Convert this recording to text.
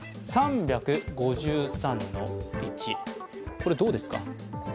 これ、どうですか？